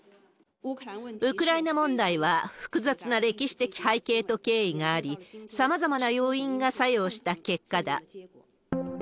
ウクライナ問題は複雑な歴史的背景と経緯があり、さまざまな要因が作用した結果だ。